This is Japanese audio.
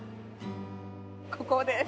ここです。